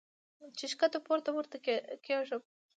چې ښکته پورته ورته کېږم -